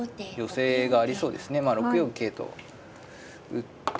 まあ６四桂と打って。